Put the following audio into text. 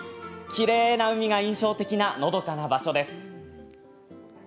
きれいな海が印象的なのどかな場所です。